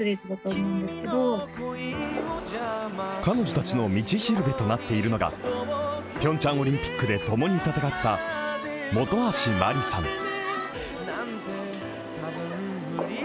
彼女たちの道しるべとなっているのが、ピョンチャンオリンピックでともに戦った本橋麻里さん。